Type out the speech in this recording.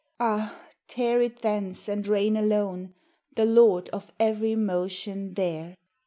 Ah! tear it thence and reign alone, The Lord of every motion there.